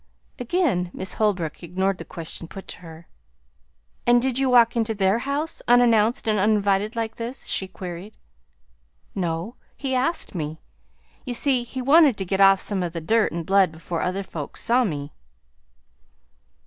Again Miss Holbrook ignored the question put to her. "And did you walk into their house, unannounced and uninvited, like this?" she queried. "No. He asked me. You see he wanted to get off some of the dirt and blood before other folks saw me."